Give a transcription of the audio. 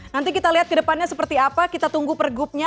nanti kita lihat kedepannya seperti apa kita tunggu pergubnya